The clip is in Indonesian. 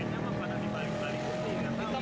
janginnya memang pada dibalik balik